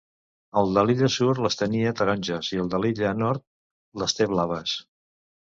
El de l'illa Sud les tenia taronges i el de l'illa Nord les té blaves.